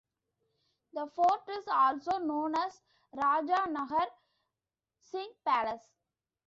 The fort is also known as Raja Nahar Singh Palace.